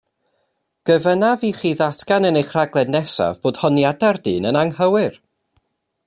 Gofynnaf i chi ddatgan yn eich rhaglen nesaf bod honiadau'r dyn yn anghywir.